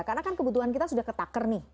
karena kan kebutuhan kita sudah ketakar nih